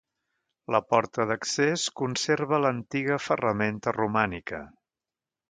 La porta d'accés conserva l'antiga ferramenta romànica.